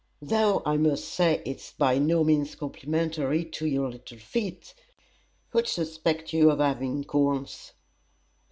Though I must say it's by no means complimentary to your little feet. Who'd suspect you of having corns?"